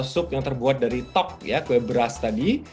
sup yang terbuat dari tok ya kue beras tadi